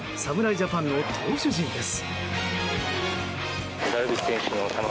ジャパンの投手陣です。